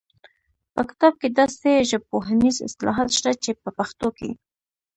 په کتاب کې داسې ژبپوهنیز اصطلاحات شته چې په پښتو کې